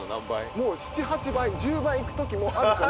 もう７、８倍、１０倍いくときもあるかも。